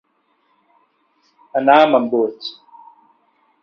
Anar amb embuts.